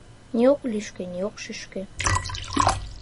Ни ок лӱшкӧ, ни ок шӱшкӧ